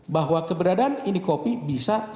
bahwa keberadaan ini kopi bisa